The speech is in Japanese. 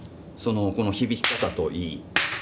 この響き方といい。